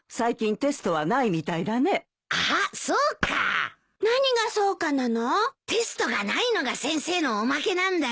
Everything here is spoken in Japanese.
テストがないのが先生のおまけなんだよ。